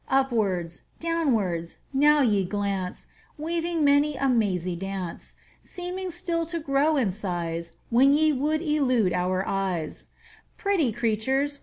Upwards, downwards, now ye glance, Weaving many a mazy dance; Seeming still to grow in size When ye would elude our eyes Pretty creatures!